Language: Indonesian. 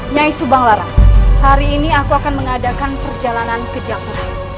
nyai subangarang hari ini aku akan mengadakan perjalanan ke jakarta